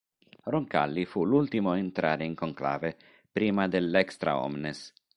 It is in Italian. Roncalli fu l'ultimo a entrare in conclave, prima dell"'extra omnes".